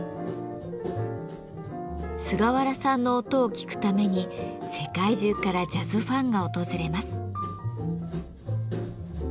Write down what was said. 菅原さんの音を聴くために世界中からジャズファンが訪れます。